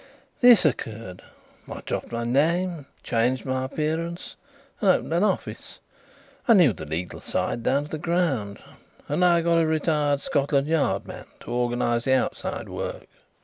This occurred. I dropped my name, changed my appearance and opened an office. I knew the legal side down to the ground and I got a retired Scotland Yard man to organize the outside work."